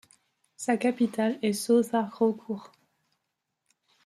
Sa capitale est Sauðárkrókur.